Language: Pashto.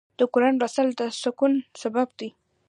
د قرآن لوستل د سکون سبب دی.